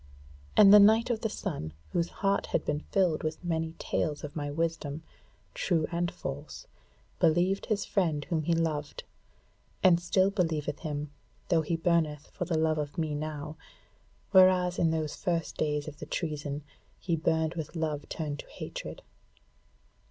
And the Knight of the Sun, whose heart had been filled with many tales of my wisdom, true and false, believed his friend whom he loved, and still believeth him, though he burneth for the love of me now; whereas in those first days of the treason, he burned with love turned to hatred.